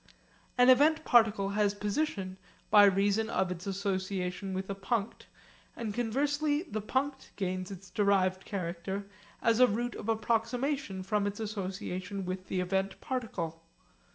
An event particle has position by reason of its association with a punct, and conversely the punct gains its derived character as a route of approximation from its association with the event particle.